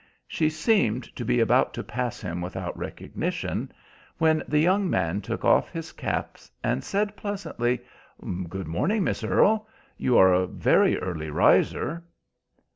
She seemed to be about to pass him without recognition, when the young man took off his cap and said pleasantly, "Good morning, Miss Earle. You are a very early riser."